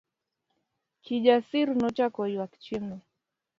Kijasir nochako ywak chieng'no.